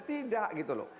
tidak gitu loh